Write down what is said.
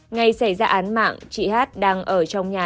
ngày xảy ra án mạng chị hát đang ở trong nhà